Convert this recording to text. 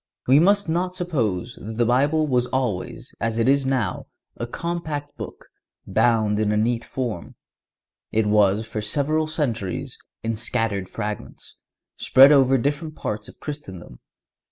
We must not suppose that the Bible was always, as it is now, a compact book, bound in a neat form. It was for several centuries in scattered fragments, spread over different parts of Christendom.